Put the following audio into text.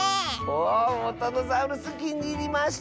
おウォタノザウルスきにいりました！